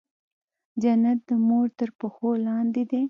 جنت د مور تر پښو لاندې دی